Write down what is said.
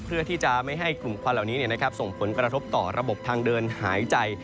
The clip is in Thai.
เพื่อที่จะไม่ให้กลุ่มควันเหล่านี้ส่งผลกระทบต่อระบบทางเดินหายใจ